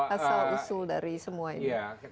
asal usul dari semua ini